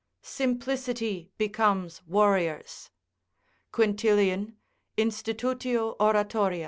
["Simplicity becomes warriors." Quintilian, Instit. Orat., xi.